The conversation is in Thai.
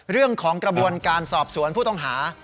เรื่องของการสอบสวนผู้ต้องหา